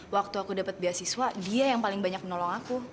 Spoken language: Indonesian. waktu aku dapat beasiswa dia yang paling banyak menolong aku